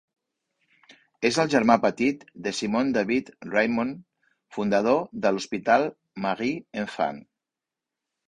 És el germà petit de Simone David-Raymond fundador de l'Hospital Marie-Enfant.